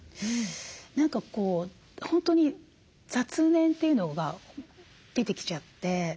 何かこう本当に雑念というのが出てきちゃって。